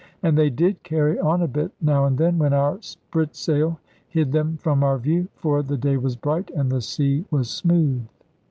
And they did carry on a bit, now and then, when our sprit sail hid them from our view. For the day was bright, and the sea was smooth.